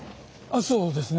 そうですね。